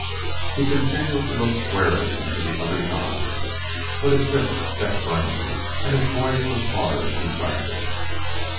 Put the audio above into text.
He continued to look squarely into the other's eyes, but his lips set firmly, and his voice was hard and decisive.